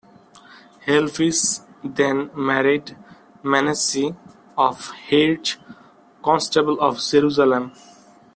Helvis then married Manasses of Hierges, Constable of Jerusalem.